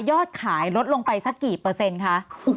อดขายลดลงไปสักกี่เปอร์เซ็นต์คะ